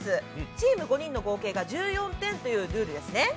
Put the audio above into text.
チーム５人の合計が１４点というルールですね。